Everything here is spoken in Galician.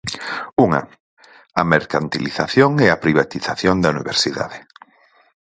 Unha, a mercantilización e a privatización da universidade.